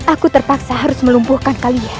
aku terpaksa harus melumpuhkan kalian